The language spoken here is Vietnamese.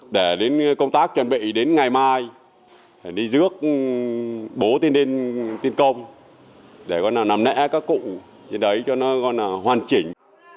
để đến công tác chuẩn bị đến ngày mai đi dước bố tiên công để con nằm nẽ các cụ trên đấy cho nó hoàn chỉnh